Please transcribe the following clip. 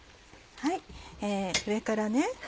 上からね